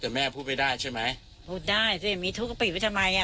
แต่แม่พูดไม่ได้ใช่ไหมพูดได้สิมีทุกข์ก็ปิดไว้ทำไมอ่ะ